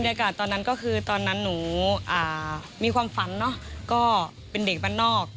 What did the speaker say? ยากาศตอนนั้นก็คือตอนนั้นหนูมีความฝันเนอะก็เป็นเด็กบ้านนอก